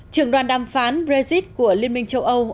trưởng đoàn đàm phán brexit của liên minh châu âu